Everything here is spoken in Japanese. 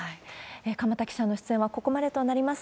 鎌田記者の出演はここまでとなります。